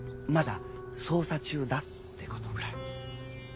まだ捜査中だってことくらい。